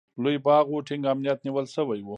لوی باغ و، ټینګ امنیت نیول شوی و.